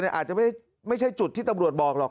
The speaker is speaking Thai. อาจจะไม่ใช่จุดที่ตำรวจบอกหรอก